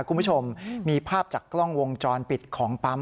คุณผู้ชมมีภาพจากกล้องวงจรปิดของปั๊ม